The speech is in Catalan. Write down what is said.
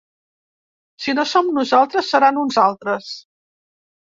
Si no som nosaltres, seran uns altres.